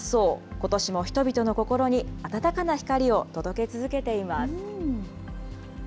ことしも人々の心に暖かな光を届け続けています。